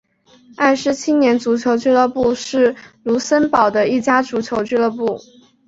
埃施青年足球俱乐部是卢森堡的一家足球俱乐部。